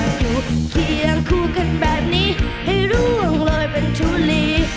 อยู่เคียงคู่กันแบบนี้ให้ร่วงเลยเป็นทุลี